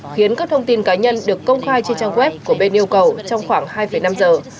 khiến các thông tin cá nhân được công khai trên trang web của bên yêu cầu trong khoảng hai năm giờ